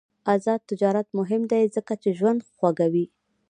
آزاد تجارت مهم دی ځکه چې ژوند خوږوي.